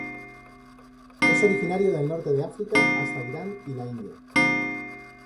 Es originario del norte de África hasta Irán y la India.